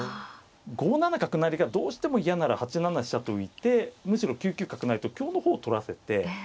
５七角成がどうしても嫌なら８七飛車と浮いてむしろ９九角成と香の方を取らせて。